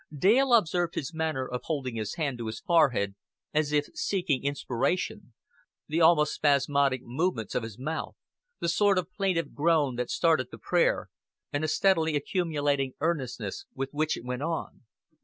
Dale observed his manner of holding his hand to his forehead as if seeking inspiration, the almost spasmodic movements of his mouth, the sort of plaintive groan that started the prayer, and the steadily accumulating earnestness with which it went on.